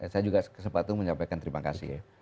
saya juga sepatut menyampaikan terima kasih